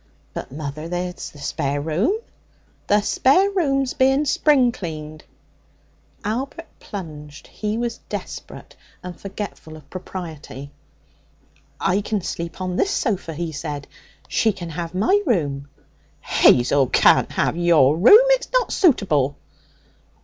'But, mother, there's the spare room.' 'The spare room's being spring cleaned.' Albert plunged; he was desperate and forgetful of propriety. 'I can sleep on this sofa,' he said. 'She can have my room.' 'Hazel can't have your room. It's not suitable.'